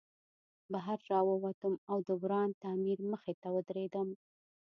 بهر راووتم او د وران تعمیر مخې ته ودرېدم